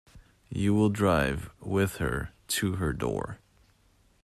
You will drive with her to her door.